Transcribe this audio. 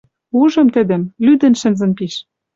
Ужым тӹдӹм. Лӱдӹн шӹнзӹн пиш